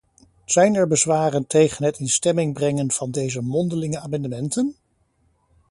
Zijn er bezwaren tegen het in stemming brengen van deze mondelinge amendementen?